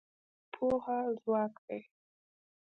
پوهه ځواک دی.